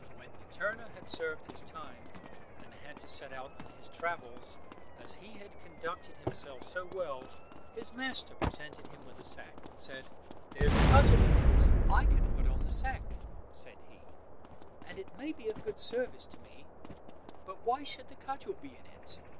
When the turner had served his time, and had to set out on his travels, as he had conducted himself so well, his master presented him with a sack and said, "There is a cudgel in it." "I can put on the sack," said he, "and it may be of good service to me, but why should the cudgel be in it?